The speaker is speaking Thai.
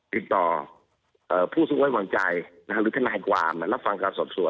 ติดต่อผู้ซึ่งไว้วางใจหรือทนายความรับฟังการสอบสวน